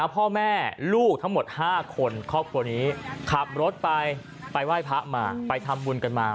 พ่อแม่ลูกทั้งหมด๕คนครอบครัวนี้ขับรถไปไปไหว้พระมาไปทำบุญกันมา